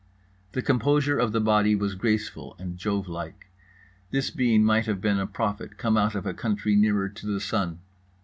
The composure of the body was graceful and Jovelike. This being might have been a prophet come out of a country nearer to the sun.